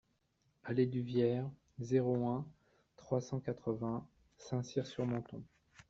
Allée du Vierre, zéro un, trois cent quatre-vingts Saint-Cyr-sur-Menthon